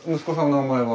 お名前は？